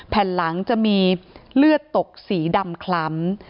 แผ่นหลังจะมีเลือดตกสีดำคล้ำ